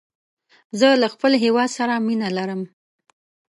زه له خپل هېواد سره مینه لرم.